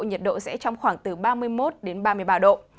nhiệt độ sẽ trong khoảng từ ba mươi một đến ba mươi ba độ